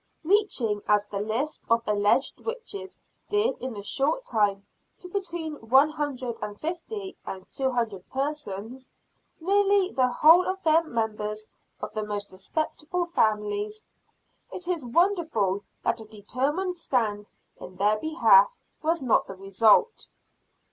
Reaching as the list of alleged witches did in a short time, to between one hundred and fifty and two hundred persons nearly the whole of them members of the most respectable families it is wonderful that a determined stand in their behalf was not the result.